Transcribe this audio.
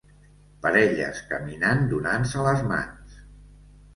Parelles caminant donant-se les mans